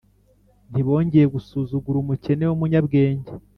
Ntibongeye gusuzugura umukene w’umunyabwenge,